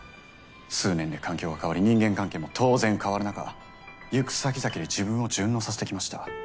数年で環境が変わり人間関係も当然変わる中行くさきざきで自分を順応させてきました。